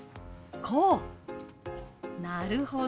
なるほど。